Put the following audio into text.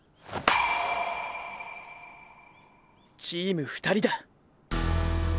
チーム２人だ！